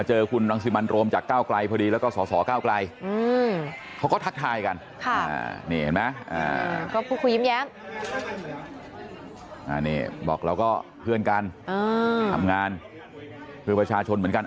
อยู่ในสภาพก็ถือว่าก็ทำงานเหมือนกัน